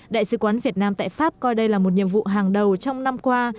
đại sứ quán việt nam tại pháp coi đây là một nhiệm vụ hàng đầu trong năm qua